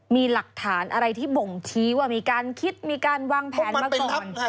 มีหลักฐานอะไรที่บ่งชี้ว่ามีการคิดมีการวางแผนมาก่อน